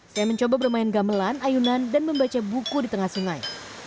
saya mencoba bermain gamelan ayunan dan membaca buku di tengah sungai